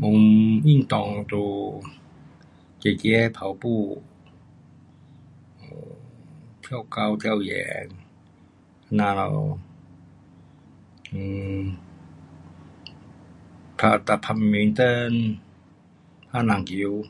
um 运动就走走跑步，跳高，跳远，这样咯，um 哒打 badminton 打篮球。